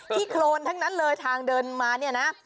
โครนทั้งนั้นเลยทางเดินมาเนี่ยนะ